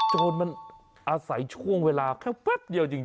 โจรมันอาศัยช่วงเวลาแค่แป๊บเดียวจริง